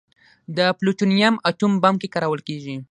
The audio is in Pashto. د پلوټونیم اټوم بم کې کارول کېږي.